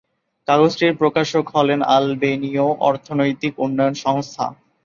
কাগজটির প্রকাশক হলেন আলবেনীয় অর্থনৈতিক উন্নয়ন সংস্থা।